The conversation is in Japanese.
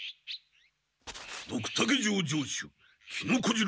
ドクタケ城城主木野小次郎